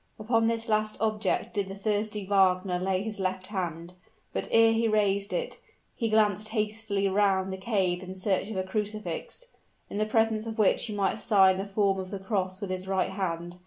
Upon this last object did the thirsty Wagner lay his left hand; but ere he raised it, he glanced hastily round the cave in search of a crucifix, in the presence of which he might sign the form of the cross with his right hand.